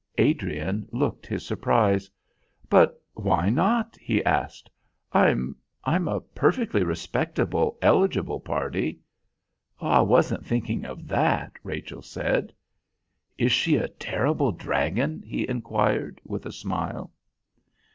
Adrian looked his surprise. "But why not?" he asked. "I'm I'm a perfectly respectable, eligible party." "I wasn't thinking of that," Rachel said. "Is she a terrible dragon?" he inquired with a smile.